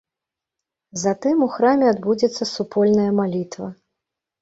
Затым у храме адбудзецца супольная малітва.